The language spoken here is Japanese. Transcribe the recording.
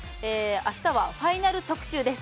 あしたはファイナル特集です。